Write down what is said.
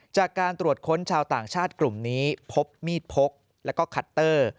จากการตรวจค้นชาวต่างชาติกลุ่มนี้พบมีดพกแล้วก็คัตเตอร์